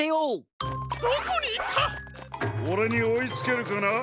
オレにおいつけるかな？